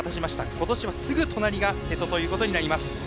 今年はすぐ隣が瀬戸ということになります、小方。